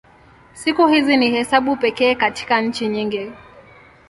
Siku hizi ni hesabu pekee katika nchi nyingi.